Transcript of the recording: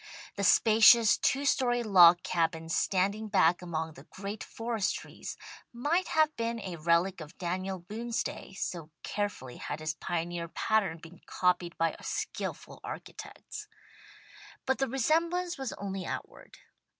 The spacious, two story log cabin standing back among the great forest trees, might have been a relic of Daniel Boone's day, so carefully had his pioneer pattern been copied by skilful architects. But the resemblance was only outward.